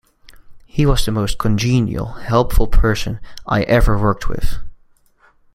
He was the most congenial, helpful person I ever worked with.